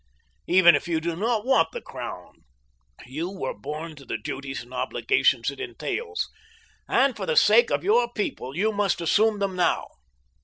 Even if you do not want the crown, you were born to the duties and obligations it entails, and for the sake of your people you must assume them now."